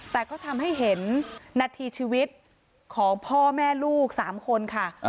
แต่ก็ทำให้เห็นนาทีชีวิตของพ่อแม่ลูก๓คนค่ะ